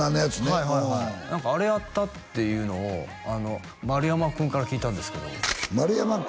はいはいはい何かあれやったっていうのを丸山君から聞いたんですけど丸山君？